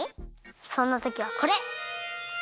そんなときはこれ。